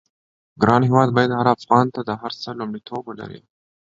ګران هېواد بايد هر افغان ته د هر څه لومړيتوب ولري.